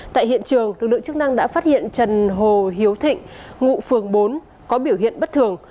tại hiện trường lực lượng chức năng đã phát hiện trần hồ hiếu thịnh ngụ phường bốn có biểu hiện bất thường